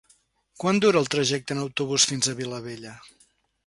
Quant dura el trajecte en autobús fins a Vilabella?